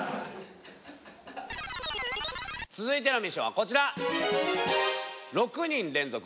続いてのミッションはこちら。